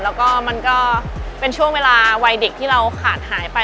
แล้วก็มันก็เป็นช่วงเวลาวัยเด็กที่เราขาดหายไป